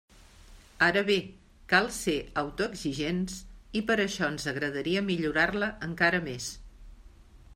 Ara bé, cal ser autoexigents i per això ens agradaria millorar-la encara més!